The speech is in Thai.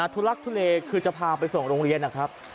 ทุลักทุเลคือจะพาไปส่งโรงเรียนนะครับ